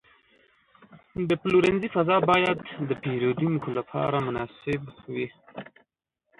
د پلورنځي فضا باید د پیرودونکو لپاره مناسب وي.